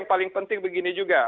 paling penting begini juga